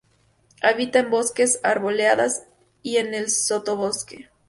Habita en bosques, arboledas y en el sotobosque.